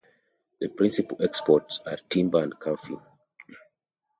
The principal exports are timber and coffee.